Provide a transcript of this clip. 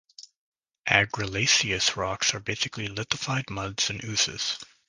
Argillaceous rocks are basically lithified muds and oozes.